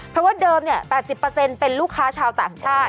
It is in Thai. เพราะว่าเดิม๘๐เป็นลูกค้าชาวต่างชาติ